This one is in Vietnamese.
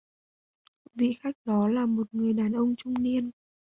Vị Khách Đó là một người đàn ông trung niên